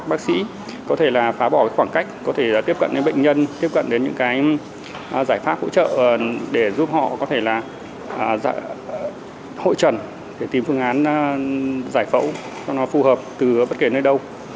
bác sĩ có thể là phá bỏ khoảng cách có thể tiếp cận đến bệnh nhân tiếp cận đến những cái giải pháp hỗ trợ để giúp họ có thể là hội trần để tìm phương án giải phẫu cho nó phù hợp từ bất kể nơi đâu